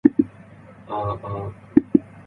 He died from cardiac arrest at his home.